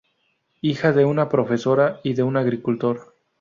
Hija de una profesora y de un agricultor.